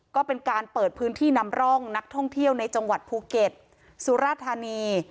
ก็เป็นการเปิดพื้นที่นำร่องนักท่องเที่ยวในจังหวัดภูเก็ตสุราธานี